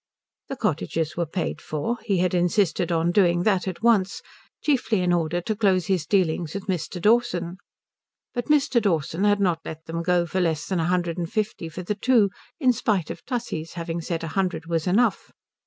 The cottages were paid for. He had insisted on doing that at once, chiefly in order to close his dealings with Mr. Dawson; but Mr. Dawson had not let them go for less than a hundred and fifty for the two, in spite of Tussie's having said a hundred was enough.